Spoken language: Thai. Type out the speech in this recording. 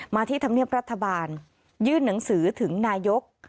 ที่ธรรมเนียบรัฐบาลยื่นหนังสือถึงนายก